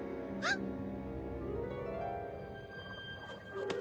あっ！